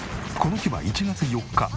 この日は１月４日。